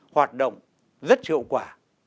hoạt động rất hiệu quả